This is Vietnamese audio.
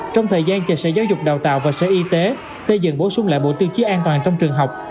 trong thời gian chờ sở giáo dục đào tạo và sở y tế xây dựng bổ sung lại bộ tiêu chí an toàn trong trường học